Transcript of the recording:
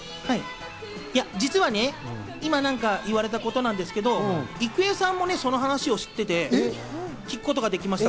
実は今、言われたことなんですけど、郁恵さんもその話を知っていて聞くことができました。